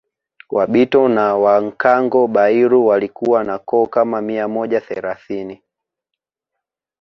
Wabito na Wankango Bairu walikuwa na koo kama mia moja thelathini